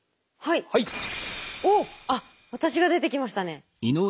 あっ私が出てきましたね。